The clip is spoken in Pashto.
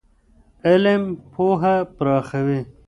علم پوهه پراخوي.